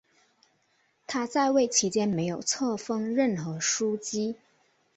他在位期间没有册封任何枢机。